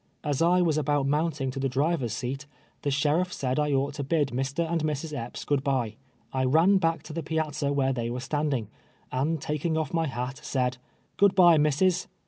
As I was about mounting to the driver's seat, the sheriff said I ought to bid Mr. and Mrs. Epps good bye. I ran back to the piazza where they were standing, and taking off my hat, said, "' Good bye, missis."